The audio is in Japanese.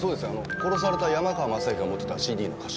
殺された山川雅行が持ってたＣＤの歌手。